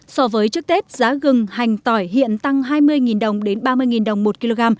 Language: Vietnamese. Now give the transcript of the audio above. so với trước tết giá gừng hành tỏi hiện tăng hai mươi đồng đến ba mươi đồng một kg